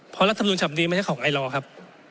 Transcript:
เพราะรัฐมนุนฉบับนี้ไม่ใช่ของไอลอร์ครับ